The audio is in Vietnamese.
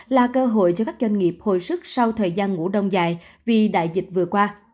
là cơ hội cho các doanh nghiệp hồi sức sau thời gian ngủ đông dài vì đại dịch vừa qua